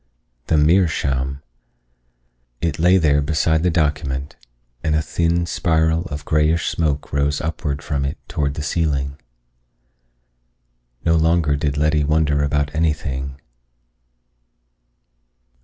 The meerschaum! It lay there beside the document, and a thin spiral of grayish smoke rose upward from it toward the ceiling. No longer did Letty wonder about anything.